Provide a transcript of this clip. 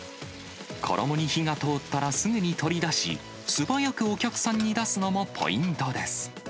衣に火が通ったらすぐに取り出し、素早くお客さんに出すのもポイントです。